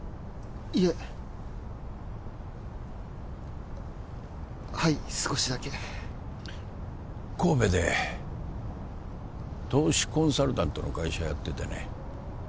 いえはい少しだけ神戸で投資コンサルタントの会社やっててね